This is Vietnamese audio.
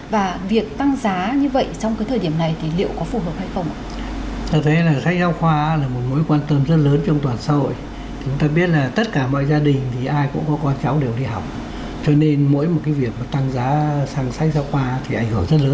và việc tăng giá như vậy trong thời điểm này